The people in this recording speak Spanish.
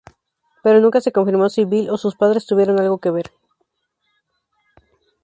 Pero nunca se confirmó si Beale o sus padres tuvieron algo que ver.